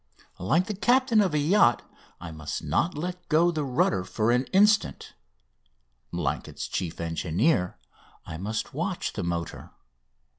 Like the captain of a yacht, I must not let go the rudder for an instant. Like its chief engineer, I must watch the motor.